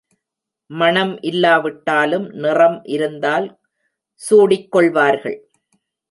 மணம் இல்லா விட்டாலும், நிறம் இருந்தால் சூடிக்கொள்வார்கள்.